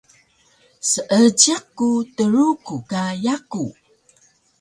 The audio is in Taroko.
Seejiq ku Truku ka yaku